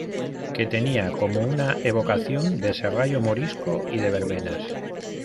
que tenía como una evocación de serrallo morisco y de verbenas.